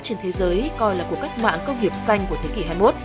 trên thế giới coi là cuộc cách mạng công nghiệp xanh của thế kỷ hai mươi một